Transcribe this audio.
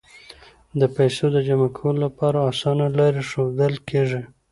د پیسو د جمع کولو لپاره اسانه لارې ښودل کیږي.